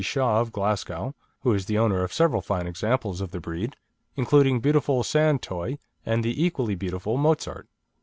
Shaw, of Glasgow, who is the owner of several fine examples of the breed, including beautiful San Toy and the equally beautiful Mozart.